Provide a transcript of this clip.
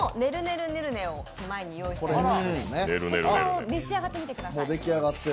るねるねを前に用意してありますのでそちらを召し上がってみてください。